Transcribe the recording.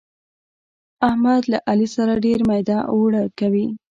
احمد له علي سره ډېر ميده اوړه کوي.